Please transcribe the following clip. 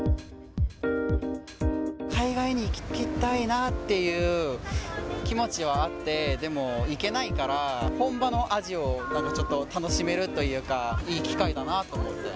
海外に行きたいなっていう気持ちはあって、でも行けないから、本場の味をちょっと楽しめるというか、いい機会だなと思って。